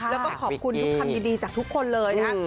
แล้วก็ขอบคุณความยินดีจากทุกคนเลยนะครับ